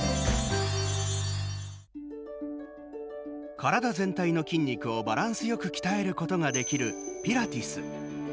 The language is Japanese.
体全体の筋肉をバランスよく鍛えることができるピラティス。